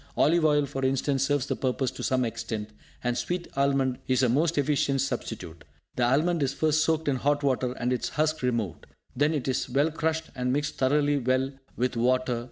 Olive oil, for instance serves this purpose to some extent; and sweet almond is a most efficient substitute. The almond is first soaked in hot water, and its husk removed. Then it is well crushed, and mixed thoroughly well with water.